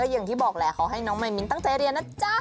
อย่างที่บอกแหละขอให้น้องมายมินตั้งใจเรียนนะจ๊ะ